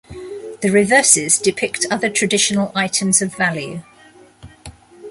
The reverses depict other traditional items of value.